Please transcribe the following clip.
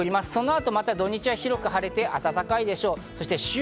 そのあと土日は広く晴れて、暖かいでしょう。